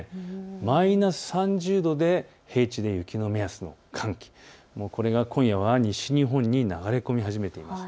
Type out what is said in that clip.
マイナス３０度で平地で雪の目安の寒気、これが今夜は西日本に流れ込み始めています。